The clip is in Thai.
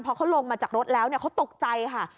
พอเขาลงมาจากรถแล้วเขาตกใจค่ะ